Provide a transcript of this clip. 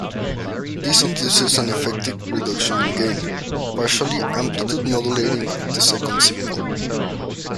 This induces an effective reduction in gain, partially amplitude-modulating the second signal.